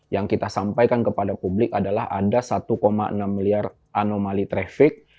yang kita sampaikan kepada publik adalah ada satu enam miliar anomali trafik